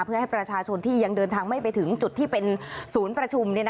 เพื่อให้ประชาชนที่ยังเดินทางไม่ไปถึงจุดที่เป็นศูนย์ประชุม